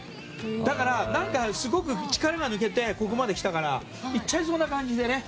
だからすごく力が抜けてここまで来たからいっちゃいそうな感じでね。